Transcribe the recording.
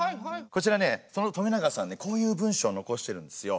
こちらねその冨永さんねこういう文章を残してるんですよ。